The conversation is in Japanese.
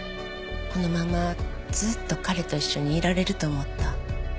このままずっと彼と一緒にいられると思った。